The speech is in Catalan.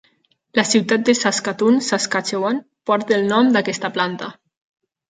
La ciutat de Saskatoon, Saskatchewan, porta el nom d'aquesta planta.